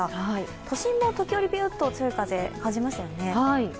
都心も時折ビューッと強い風、感じましたよね。